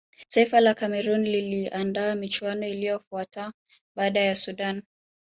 taifa la cameroon liliandaa michuano iliyofuata baada ya sudan